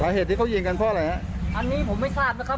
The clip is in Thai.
เหตุที่เขายิงกันเพราะอะไรฮะอันนี้ผมไม่ทราบนะครับ